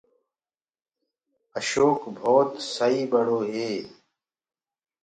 اشوڪ ڀوت سُڪو ٻڙو هي۔